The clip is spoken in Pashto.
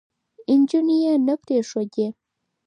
نجونې يې نه پرېښودې،